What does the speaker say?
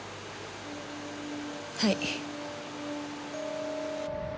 はい。